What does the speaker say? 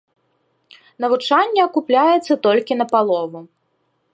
Навучанне акупляецца толькі на палову.